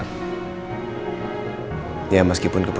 tapi saya juga meminta bantuan ke mereka